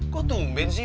kok tumben sih